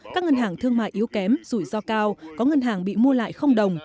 các ngân hàng thương mại yếu kém rủi ro cao có ngân hàng bị mua lại đồng